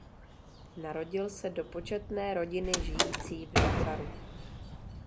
Narodil se do početné rodiny žijící v Dakaru.